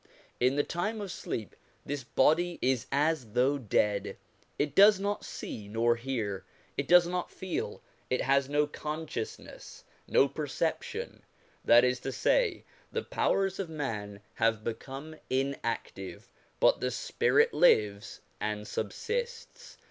In the time of sleep this body is as though dead ; it does not see nor hear, it does not feel, it has no consciousness, no perception : that is to say, the powers of man have become inactive, but the spirit lives and subsists.